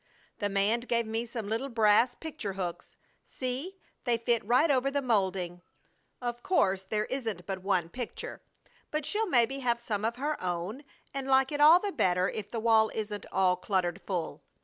The man gave me some little brass picture hooks. See, they fit right over the molding. Of course, there isn't but one picture, but she'll maybe have some of her own and like it all the better if the wall isn't all cluttered full.